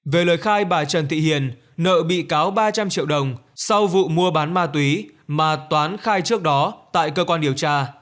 về lời khai bà trần thị hiền nợ bị cáo ba trăm linh triệu đồng sau vụ mua bán ma túy mà toán khai trước đó tại cơ quan điều tra